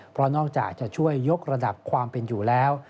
เพราะนอกจากจะช่วยยกระดับความเป็นอยู่แล้ว